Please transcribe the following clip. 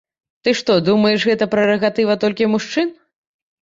Ты што, думаеш, гэта прэрагатыва толькі мужчын?